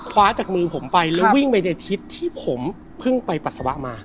จากมือผมไปแล้ววิ่งไปในทิศที่ผมเพิ่งไปปัสสาวะมา